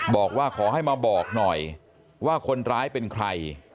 บอกว่าขอให้มาบอกหน่อยว่าคนร้ายเป็นใคร